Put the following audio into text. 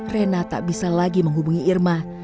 rena tak bisa lagi menghubungi irma